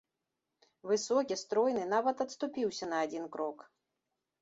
Высокі, стройны нават адступіўся на адзін крок.